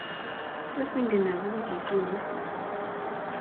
tos ingen ne akobo chesinye?